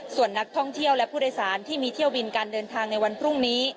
ส่วนนักท่องเที่ยวและผู้โดยสารที่มีเที่ยวบินการเดินทางในวันพรุ่งนี้